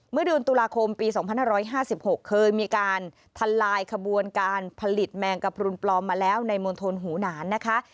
เมื่อเดือนตุลาคมปี๒๕๕๖เคยมีการทลายขบวนการผลิตแมงกระพรุนปลอมมาแล้วในมณฑลหูหนานนะคะ